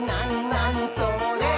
なにそれ？」